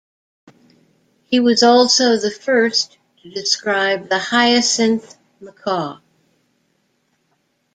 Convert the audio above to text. He was also the first to describe the hyacinth macaw.